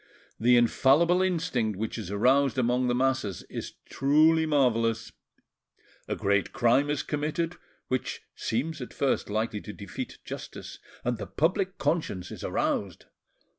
The infallible instinct which is aroused among the masses is truly marvellous; a great crime is committed, which seems at first likely to defeat justice, and the public conscience is aroused.